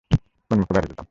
কোন মুখে বাড়ি যেতাম?